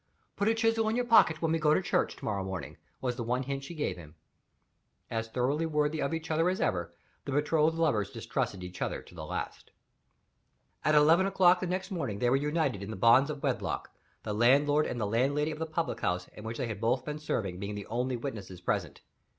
"Put a chisel in your pocket, when we go to church, to morrow morning," was the one hint she gave him. As thoroughly worthy of each other as ever, the betrothed lovers distrusted each other to the last. At eleven o'clock the next morning they were united in the bonds of wedlock; the landlord and the landlady of the public house in which they had both served being the only witnesses present.